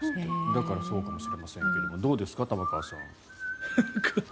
だからそうかもしれませんがどうですか、玉川さん。